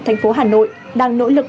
thành phố hà nội đang nỗ lực